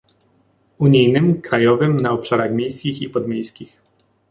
unijnym, krajowym, na obszarach miejskich i podmiejskich